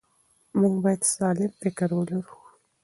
موږ باید سالم فکر ولرو.